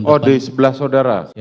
oh di sebelah saudara